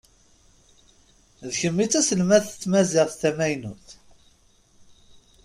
D kemm i d taselmadt n tmaziɣt tamaynut?